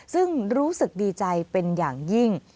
ซึ่งรู้สึกดีใจเป็นอย่างยิ่ง